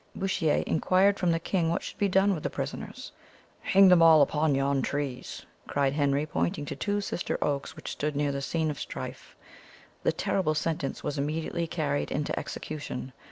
Bouchier inquired from the king what should be done with the prisoners. "Hang them all upon yon trees!" cried Henry, pointing to two sister oaks which stood near the scene of strife. The terrible sentence was immediately carried into execution.